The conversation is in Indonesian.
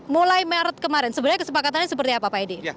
mulai maret kemarin sebenarnya kesepakatannya seperti apa pak edi